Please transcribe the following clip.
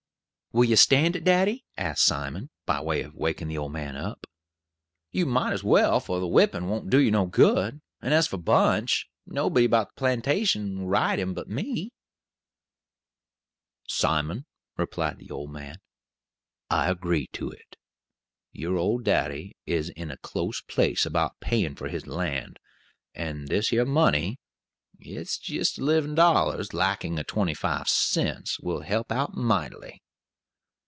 "Will you stand it, daddy?" asked Simon, by way of waking the old man up. "You mought as well, for the whippin' won't do you no good; and as for Bunch, nobody about the plantation won't ride him but me." "Simon," replied the old man, "I agree to it. Your old daddy is in a close place about payin' for his land; and this here money it's jist eleven dollars, lacking of twenty five cents will help out mightily.